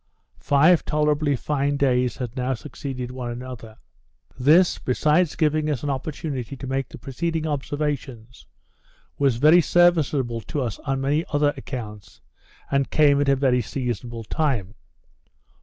Five tolerably fine days had now succeeded one another. This, besides giving us an opportunity to make the preceding observations, was very serviceable to us on many other accounts, and came at a very seasonable time.